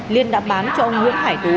liên đã bán cho ông nguyễn hải tú